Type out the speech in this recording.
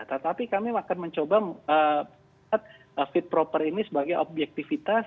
tetapi kami akan mencoba fit proper ini sebagai objektivitas